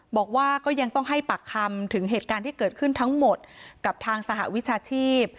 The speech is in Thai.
บอกว่าก็ยังต้องให้ปากคำถึงเหตุการณ์ที่เกิดขึ้นทั้งหมดกับทางสหวิชาชีพ